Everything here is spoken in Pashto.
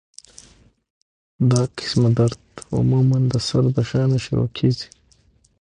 دا قسمه درد عموماً د سر د شا نه شورو کيږي